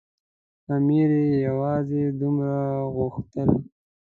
امیر یوازې دومره غوښتل.